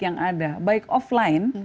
yang ada baik offline